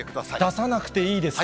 出さなくていいですか。